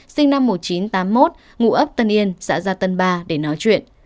sinh năm một nghìn chín trăm tám mươi một ngụ ấp tân yên xã gia tân ba để nói chuyện